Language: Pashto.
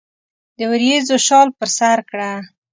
د وریځو شال پر سرکړه